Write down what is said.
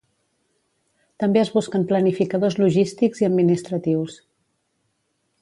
També es busquen planificadors logístics i administratius.